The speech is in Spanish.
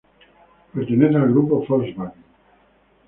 Pertenece al Grupo Volkswagen.